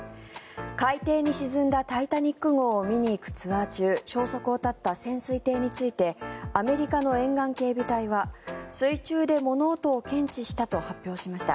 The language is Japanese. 海底に沈んだ「タイタニック号」を見にいくツアー中消息を絶った潜水艇についてアメリカの沿岸警備隊は水中で物音を検知したと発表しました。